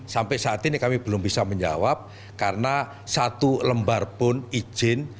sampai saat ini kami belum bisa menjawab karena satu lembar pun izin